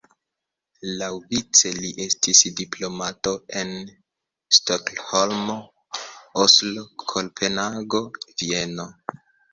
Laŭvice li estis diplomato en Stokholmo, Oslo, Kopenhago, Vieno.